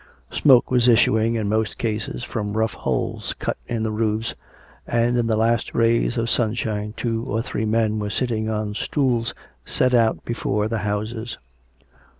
Smoke was issuing, in most cases, from rough holes cut in the roofs, and in the last rays of sunshine two or three men were sit ting on stools set out before the houses.